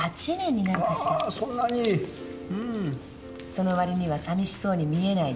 その割にはさみしそうに見えないでしょう？